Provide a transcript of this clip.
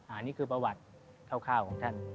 อ่านี่คือประวัติเท่าข้าวของท่าน